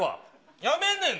やめんねんな？